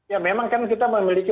ya memang kan kita memiliki